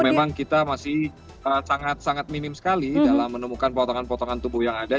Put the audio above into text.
karena memang kita masih sangat sangat minim sekali dalam menemukan potongan potongan tubuh yang ada